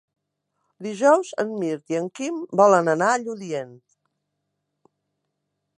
Dijous en Mirt i en Quim volen anar a Lludient.